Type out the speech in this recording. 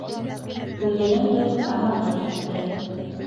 Үҙенең дә тамағы кипте.